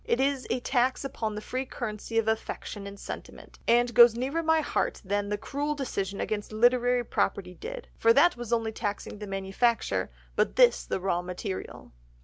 It is a tax upon the free currency of affection and sentiment, and goes nearer my heart than the cruel decision against literary property did, for that was only taxing the manufacture, but this the raw material."